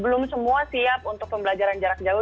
belum semua siap untuk pembelajaran jarak jauh